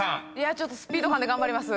ちょっとスピード感で頑張ります。